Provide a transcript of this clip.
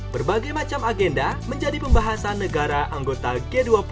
berbagai macam agenda menjadi pembahasan negara anggota g dua puluh